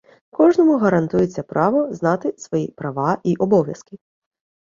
Кожному гарантується право знати свої права і обов'язки